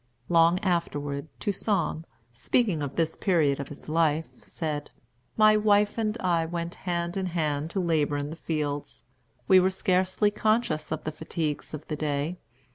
Long afterward, Toussaint, speaking of this period of his life, said: "My wife and I went hand in hand to labor in the fields. We were scarcely conscious of the fatigues of the day.